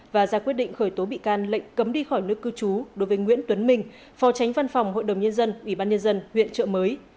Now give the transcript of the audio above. và ra quyết định khởi tố bị can lệnh cấm đi khỏi nước cư trú đối với nguyễn tuấn minh phò tránh văn phòng hội đồng nhân dân ủy ban nhân dân huyện trợ mới